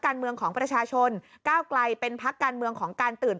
การเมืองของประชาชนก้าวไกลเป็นพักการเมืองของการตื่น